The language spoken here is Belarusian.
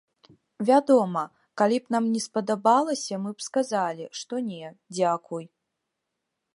Вядома, калі б нам не спадабалася, мы б сказалі, што не, дзякуй.